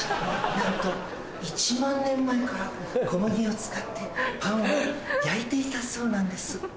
なんと１万年前から小麦を使ってパンを焼いていたそうなんです。